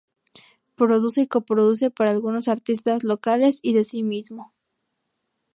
Produce y co-produce para algunos artistas locales y de sí mismo.